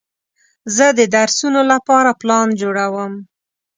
زه د درسونو لپاره پلان جوړوم.